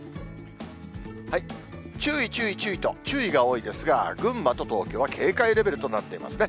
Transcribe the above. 注意、注意、注意と、注意が多いですが、群馬と東京は警戒レベルとなっていますね。